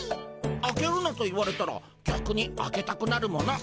「開けるな」と言われたらぎゃくに開けたくなるもの。